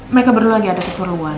mereka berdua lagi ada ke ruangan